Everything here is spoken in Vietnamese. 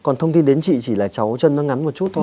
còn thông tin đến chị chỉ là cháu chân nó ngắn một chút thôi